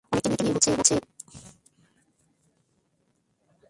অনেককে নিয়েই হয়েছে এবং হচ্ছে।